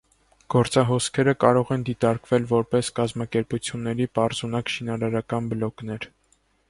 Գործահոսքերը կարող են դիտարկվել որպես կազմակերպությունների պարզունակ շինարարական բլոկներ։